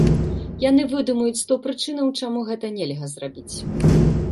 Яны выдумаюць сто прычынаў, чаму гэта нельга зрабіць.